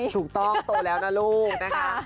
ถูกต้องโตแล้วนะลูกนะคะ